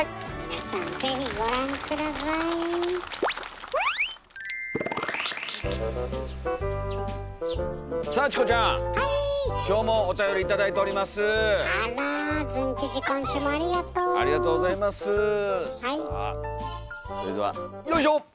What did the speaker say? さあそれではよいしょ！